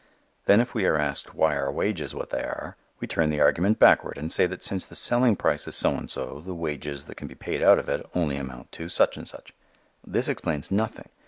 Then if we are asked why are wages what they are, we turn the argument backward and say that since the selling price is so and so the wages that can be paid out of it only amount to such and such. This explains nothing.